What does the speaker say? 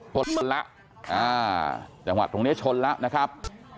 พลละจังหวัดตรงนี้ชนละนะครับ